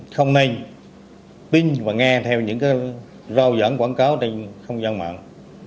không nên tin và nghe theo những cái rau dẫn quảng cáo trên không gian mạng